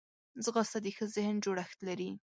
ځغاسته د ښه ذهن جوړښت لري